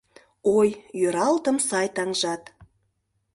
Ой, йӧралтым сай таҥжат.